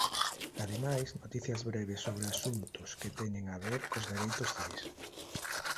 Ademais, noticias breves sobre asuntos que teñen a ver cos dereitos civís.